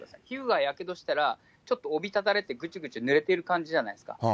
皮膚がやけどしたら、ちょっとおびただれて、ぐちゅぐちゅぬれてる感じじゃないですか。